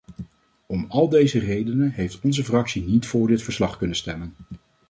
Om al deze redenen heeft onze fractie niet voor dit verslag kunnen stemmen.